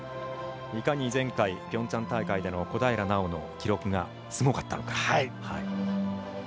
いかに前回ピョンチャン大会での小平奈緒の記録がすごかったのか。